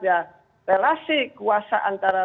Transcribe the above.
ya relasi kuasa antara